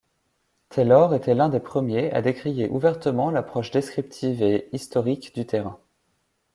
Taylor était l'un des premiers à décrier ouvertement l'approche descriptive et historique du terrain.